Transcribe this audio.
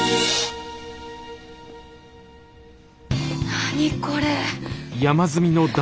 何これ。